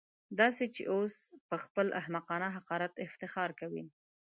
داسې چې اوس پهخپل احمقانه حقارت افتخار کوي.